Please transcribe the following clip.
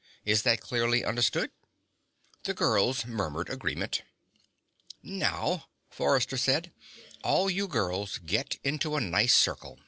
Is that clearly understood?" The girls murmured agreement. "Now," Forrester said, "all you girls get into a nice circle.